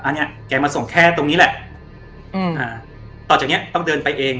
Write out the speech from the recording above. อ่ะเนี่ยแกมาส่งแค่ตรงนี้แหละต่อจากนี้ต้องเดินไปเอง